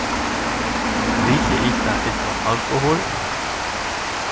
Rieche ich da etwa Alkohol?